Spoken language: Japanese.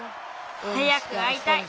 早くあいたい。